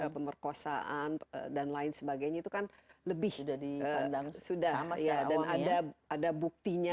pemerkosaan dan lain sebagainya itu kan lebih sudah dikandang sama secara awal dan ada buktinya